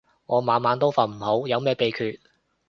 我晚晚都瞓唔好，有咩秘訣